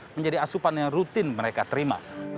menjadi asupan yang rutin mereka terima